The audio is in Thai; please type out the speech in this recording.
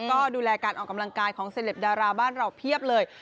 ก็ดูแลการออกกำลังกายของเซลปดาราบ้านเราเพียบเลย